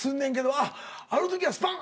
あっあの時はスパン！